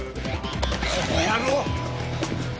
この野郎！